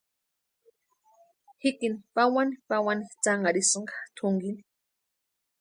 Jikini pawani pawani tsanharhisïnka tʼunkini.